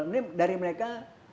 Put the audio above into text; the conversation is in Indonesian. ini dari mereka